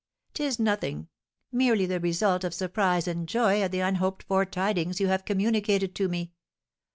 "'Tis nothing! Merely the result of surprise and joy at the unhoped for tidings you have communicated to me.